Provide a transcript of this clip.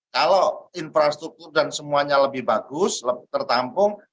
kalau infrastruktur dan semuanya lebih bagus tertampung